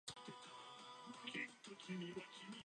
文化祭